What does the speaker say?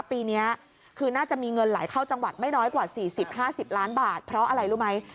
ปีนี้คือน่าจะมีเงินไหลเข้าจังหวัดไม่น้อยกว่า๔๐๕๐ล้านบาทเพราะอะไรรู้ไหม